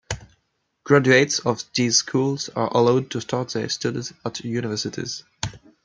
Graduates of these schools are allowed to start their studies at universities.